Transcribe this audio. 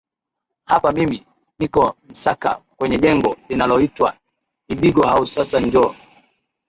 hapa mimi niko msaka kwenye jengo linaloitwa idigo house sasa njoo